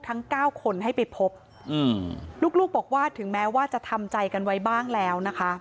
ทั้งเก้าคนให้ไปพบอืมลูกลูกบอกว่าถึงแม้ว่าจะทำใจกันไว้บ้างแล้วนะคะ